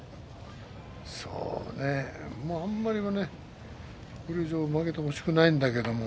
あまりね、これ以上負けてほしくないんだけどね。